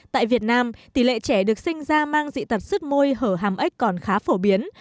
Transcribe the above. tại việt nam tỷ lệ trẻ được sinh ra mang dị tật sứt môi hở hàm ếch còn khá phổ biến